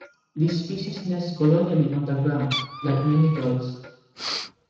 This species nests colonially on the ground, like many gulls.